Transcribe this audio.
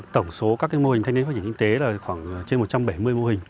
tổng số các mô hình thanh niên phát triển kinh tế là khoảng trên một trăm bảy mươi mô hình